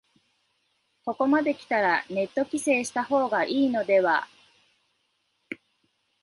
ここまできたらネット規制した方がいいのでは